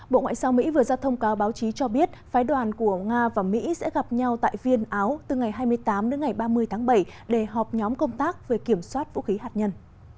bộ ngoại giao mỹ vừa ra thông cáo báo chí cho biết phái đoàn của nga và mỹ sẽ gặp nhau tại viên áo từ ngày hai mươi tám đến ngày ba mươi tháng bảy để họp nhóm công tác về kiểm soát vũ khí hạt nhân